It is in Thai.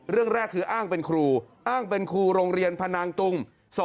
เรื่องแรกคืออ้างเป็นครูอ้างเป็นครูโรงเรียนพนังตุง